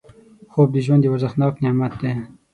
خوب د ژوند یو ارزښتناک نعمت دی